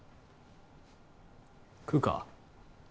食うか？